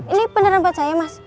ini beneran buat saya mas